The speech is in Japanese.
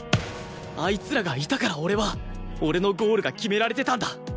あいつらがいたから俺は俺のゴールが決められてたんだ！